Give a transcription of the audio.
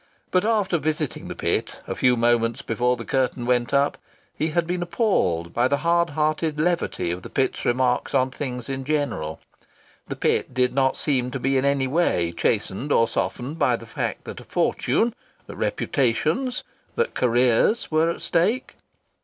But, after visiting the pit a few moments before the curtain went up, he had been appalled by the hard hearted levity of the pit's remarks on things in general. The pit did not seem to be in any way chastened or softened by the fact that a fortune, that reputations, that careers were at stake.